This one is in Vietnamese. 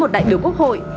với một đại biểu quốc hội